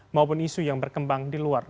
maupun isu yang berkembang di luar